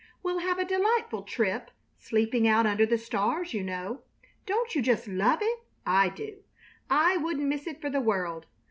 We'll have a delightful trip, sleeping out under the stars, you know. Don't you just love it? I do. I wouldn't miss it for the world.